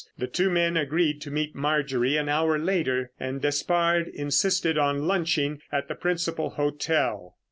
The two men agreed to meet Marjorie an hour later, and Despard insisted on lunching at the principal hotel.